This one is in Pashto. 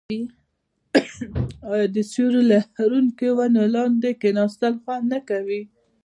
آیا د سیوري لرونکو ونو لاندې کیناستل خوند نه کوي؟